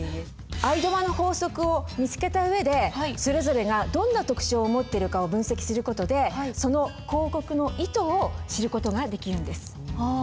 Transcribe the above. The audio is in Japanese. ＡＩＤＭＡの法則を見つけた上でそれぞれがどんな特徴を持ってるかを分析する事でその広告の意図を知る事ができるんです。